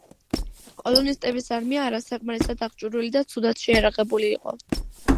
კოლონისტების არმია არასაკმარისად აღჭურვილი და ცუდად შეიარაღებული იყო.